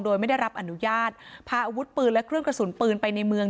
โดยไม่ได้รับอนุญาตพาอาวุธปืนและเครื่องกระสุนปืนไปในเมือง